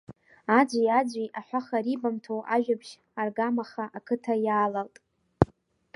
Аӡәи-аӡәи аҳәаха рибамҭо, ажәабжь аргамаха ақыҭа иаалалт.